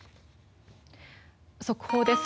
速報です。